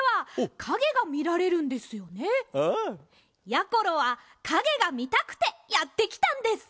やころはかげがみたくてやってきたんです。